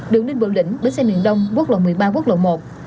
đường ninh bờ lĩnh bến xe miền đông quốc lộ một mươi ba quốc lộ một